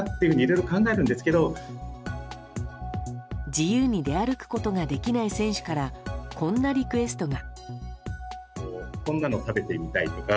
自由に出歩くことができない選手からこんなリクエストが。